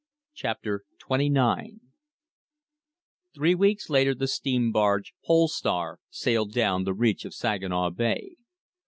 Chapter XXIX Three weeks later the steam barge Pole Star sailed down the reach of Saginaw Bay.